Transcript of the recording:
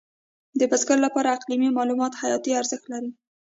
د بزګر لپاره اقلیمي معلومات حیاتي ارزښت لري.